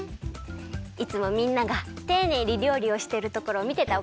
いつもみんながていねいにりょうりをしてるところをみてたおかげかな。